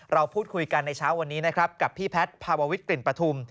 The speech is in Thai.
เราพูดคุยกันในเช้าวันนี้นะครับกับพี่แพทย์ภาววิทกลิ่นปฐุม